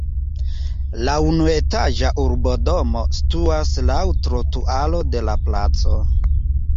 La unuetaĝa urbodomo situas laŭ trotuaro de la placo.